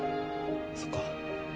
そっか。